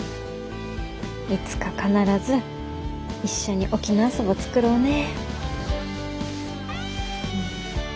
いつか必ず一緒に沖縄そば作ろうね。